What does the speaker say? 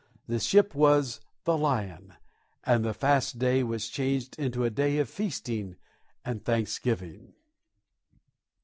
The ship was the Lion, and the fast day was changed into a day of feasting and thanksgiving.